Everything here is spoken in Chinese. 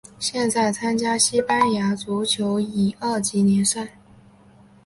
现在参加西班牙足球乙二级联赛。